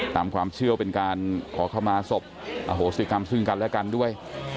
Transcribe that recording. ตามความเชื่อเป็นการขอเข้ามาศพอโหสิกรรมซึ่งกันและกันด้วย